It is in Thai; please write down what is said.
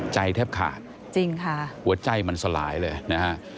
ใจแทบขาดหัวใจมันสลายเลย